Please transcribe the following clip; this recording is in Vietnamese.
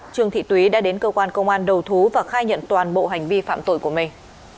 trương thị túy đã đến cơ quan công an đầu thú và khai nhận toàn bộ hành vi phạm tội của mình